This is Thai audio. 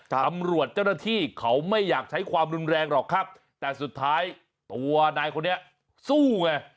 ตำรวจเจ้าหน้าที่เขาไม่อยากใช้ความรุนแรงหรอกครับแต่สุดท้ายตัวนายคนนี้สู้ไง